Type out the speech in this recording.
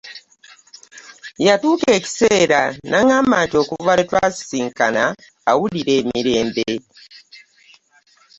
Yatuuka ekiseera n'aŋŋamba nti okuva lwe twasisinkana, awulira emirembe.